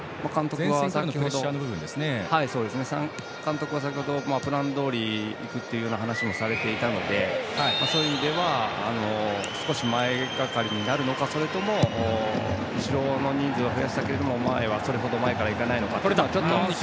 監督は先程プランどおりいくとお話をされていたのでそういう意味では少し前がかりになるのかそれとも後ろの人数を増やしたけど前はそれほど前から行かないのか。